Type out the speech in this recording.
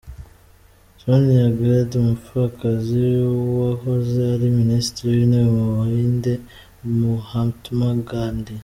Sonia Gandhi: Umupfakazi w’uwahoze ari Minisitri w’Intebe mu Buhinde, Mahatma Gandhi.